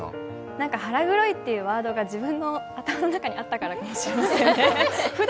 なんか腹黒いっていうワードが自分の頭の中にあったからかもしれませんね。